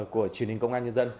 của truyền hình công an